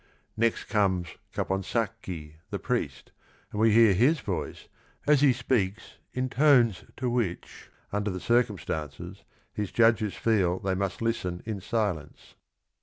Next comes Caponsa cchi, the pries t, and we hear his voice as he speaks in tones to which, under the circumstances, his judges feel they must listen in silence.